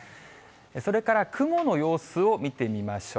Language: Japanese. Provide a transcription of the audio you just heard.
それから雲の様子を見てみましょう。